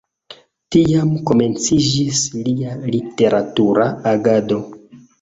Tiam komenciĝis lia literatura agado.